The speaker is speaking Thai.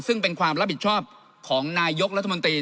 ซึ่งเป็นความรับผิดชอบของนายกรัฐมนตรี